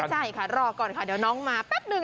ใช่ค่ะรอก่อนค่ะเดี๋ยวน้องมาแป๊บหนึ่ง